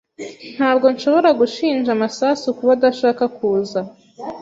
Ntabwo nshobora gushinja Masasu kuba adashaka kuza.